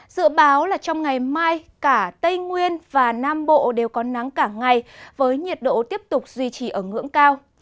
dự báo là trong ngày mai cả tây nguyên và nam bộ đều có nắng cả ngày với nhiệt độ tiếp tục duy trì ở ngưỡng cao